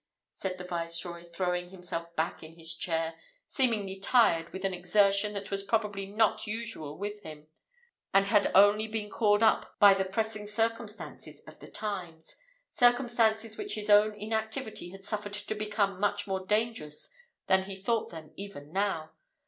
said the viceroy, throwing himself back in his chair, seemingly tired with an exertion that was probably not usual with him, and had only been called up by the pressing circumstances of the times circumstances which his own inactivity had suffered to become much more dangerous than he thought them even now.